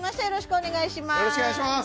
よろしくお願いします